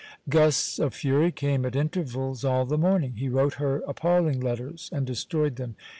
Gusts of fury came at intervals all the morning. He wrote her appalling letters and destroyed them.